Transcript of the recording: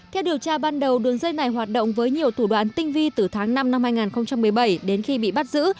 theo điều tra ban đầu đường dây này hoạt động với nhiều thủ đoạn tinh vi từ tháng năm năm hai nghìn một mươi bảy đến khi bị bắt giữ